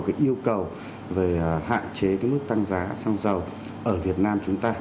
cái yêu cầu về hạn chế cái mức tăng giá xăng dầu ở việt nam chúng ta